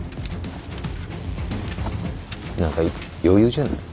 何か余裕じゃない？